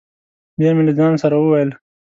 بیا مې له ځانه سره وویل: